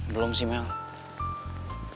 belum sih mel